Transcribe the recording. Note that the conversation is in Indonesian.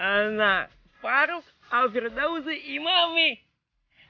anak farouk al firdawzi imamih